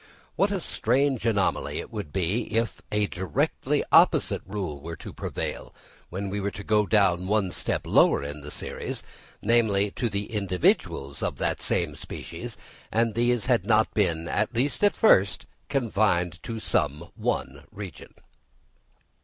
What a strange anomaly it would be if a directly opposite rule were to prevail when we go down one step lower in the series, namely to the individuals of the same species, and these had not been, at least at first, confined to some one region!